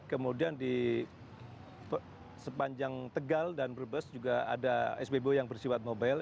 kemudian di sepanjang tegal dan brebes juga ada sbbu yang bersifat mobile